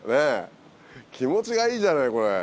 気持ちがいいじゃないこれ。